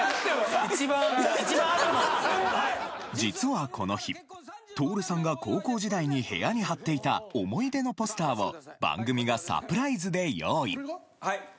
・一番一番・実はこの日徹さんが高校時代に部屋に貼っていた思い出のポスターを番組がサプライズで用意はい。